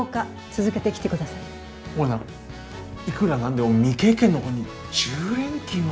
オーナーいくら何でも未経験の子に１０連勤は。